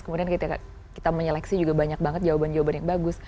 kemudian kita menyeleksi juga banyak banget jawaban jawaban yang bagus